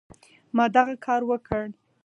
ما دغه کار وکړ.